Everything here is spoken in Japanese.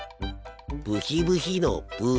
ブヒブヒのブ。